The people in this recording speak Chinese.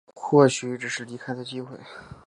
或许只是离开的机会